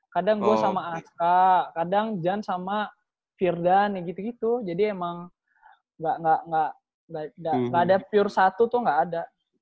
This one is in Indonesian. kadang gue sama aska kadang jan sama firdan gitu gitu jadi emang nggak ada pure satu tuh nggak ada